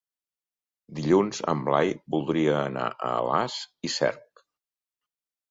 Dilluns en Blai voldria anar a Alàs i Cerc.